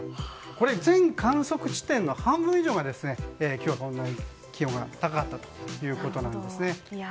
これ、全観測地点の半分以上が今日はこんなに気温が高かったということなんですね。